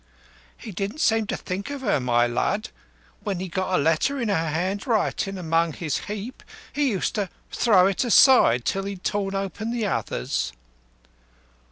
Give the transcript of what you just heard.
"He didn't seem to think of her, my lud. When he got a letter in her handwriting among his heap he used to throw it aside till he'd torn open the others."